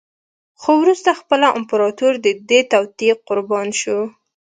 خو وروسته خپله امپراتور د دې توطیې قربا شو